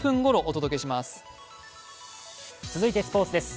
続いてスポーツです。